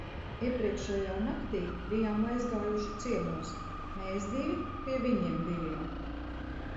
Iepriekšējā naktī bijām aizgājuši ciemos, mēs divi, pie viņiem diviem.